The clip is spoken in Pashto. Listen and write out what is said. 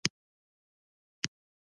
د شکر ناروغانو لپاره رژیم تعقیبول مهم دي.